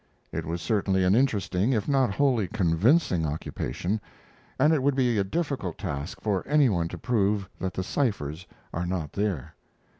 It was certainly an interesting if not wholly convincing occupation, and it would be a difficult task for any one to prove that the ciphers are not there.